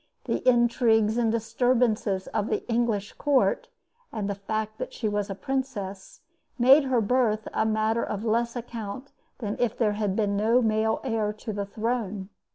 The intrigues and disturbances of the English court, and the fact that she was a princess, made her birth a matter of less account than if there had been no male heir to the throne.